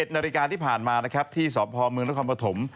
๑๑นาฬิกาที่ผ่านมานะครับที่สอบภอมเมืองละครปฐม